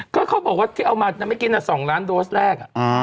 ก็เขาบอกว่าที่เอามาเมื่อกี้๒ล้านโดสแรก